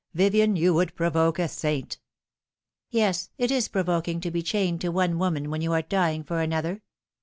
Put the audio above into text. "Vivien, you would provoke a saint." " Yes, it is provoking to be chained to one woman when you are dying for another."